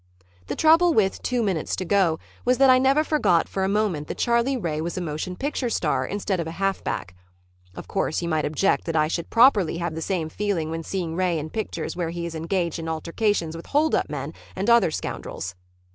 The trouble with "Two Minutes To Go" was that I never forgot for a moment that Charlie Ray was a motion picture star instead of a halfback. Of course, you might object that I should properly have the same feeling when seeing Ray in pictures where he is engaged in altercations with holdup men and other scoundrels.